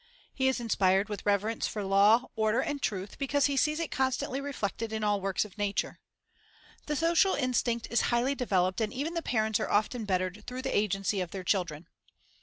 He is inspired with reverence for law, order and truth because he sees it constantly reflected in all works of nature. The social instinct is highly developed and even the parents are often bettered through the agency of their children.